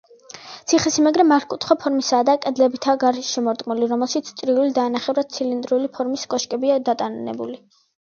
ციხესიმაგრე მართკუთხა ფორმისაა და კედლებითაა გარშემორტყმული, რომელშიც წრიული და ნახევრად ცილინდრული ფორმის კოშკებია დატანებული.